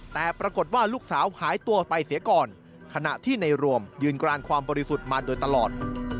แต่ปรากฏว่าลูกสาวหายตัวไปเสียก่อนขณะที่ในรวมยืนกรานความบริสุทธิ์มาโดยตลอด